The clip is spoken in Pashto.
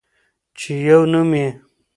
چې يو نوم يې